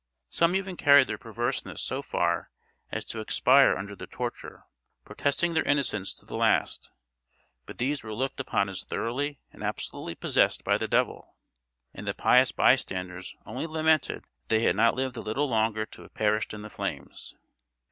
Some even carried their perverseness so far as to expire under the torture, protesting their innocence to the last; but these were looked upon as thoroughly and absolutely possessed by the devil, and the pious bystanders only lamented that they had not lived a little longer to have perished in the flames.